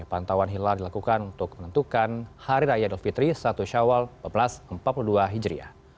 pantauan hilal dilakukan untuk menentukan hari raya dufitri satu syawal empat belas empat puluh dua hijriah